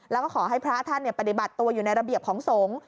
แล้วก็ขอให้พระท่านปฏิบัติตัวอยู่ในระเบียบของสงฆ์